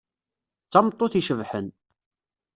D tameṭṭut icebḥen.